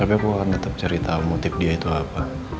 tapi aku akan tetap cerita motif dia itu apa